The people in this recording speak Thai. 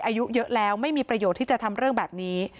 อายุเยอะแล้วไม่มีประโยชน์ที่จะทำเรื่องแบบนี้